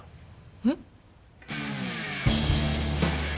えっ？